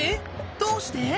どうして？